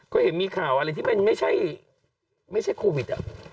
ก็เห็นมีข่าวอะไรที่มันไม่ใช่โควิด